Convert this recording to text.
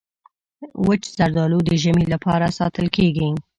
وچ زردالو د ژمي لپاره ساتل کېږي.